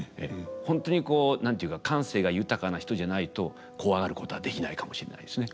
本当にこう何て言うか感性が豊かな人じゃないとコワがることはできないかもしれないですね。